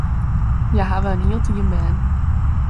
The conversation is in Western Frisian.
Hja hawwe in hiel team bern.